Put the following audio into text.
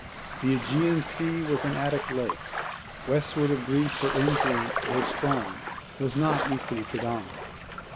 The AEgean Sea was an Attic lake. Westward of Greece, her influence though strong, was not equally predominant.